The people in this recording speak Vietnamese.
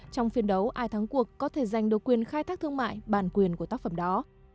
trong phiên đấu ai thắng cuộc có thể giành được quyền khai thác thương mại bản quyền của tác phẩm đó